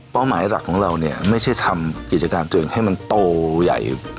หมายหลักของเราเนี่ยไม่ใช่ทำกิจการตัวเองให้มันโตใหญ่